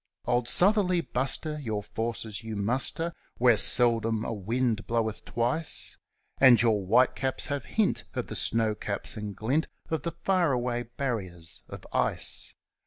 Old Southerly Buster! your forces you muster Where seldom a ivind blozveth tvtrice, And your wltite caps liai'e hint of the snow caps, and glint of The far aivay barriers of ice.